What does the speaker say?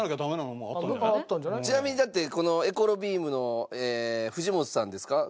ちなみにだってこのエコロビームの藤本さんですか？